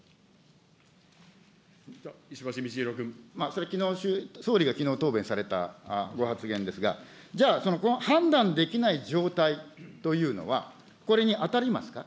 それ、きのう総理が答弁されたご発言ですが、じゃあ、その判断できない状態というのは、これに当たりますか。